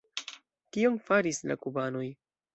Kion faris la kubanoj?